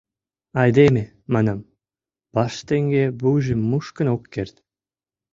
Айдеме, — манам, — паштеҥге вуйжым мушкын ок керт.